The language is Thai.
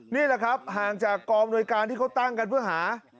นี่แหละครับห่างจากกองอำนวยการที่เขาตั้งกันเพื่อหา